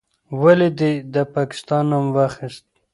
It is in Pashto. ولې دې د پاکستان نوم واخیست؟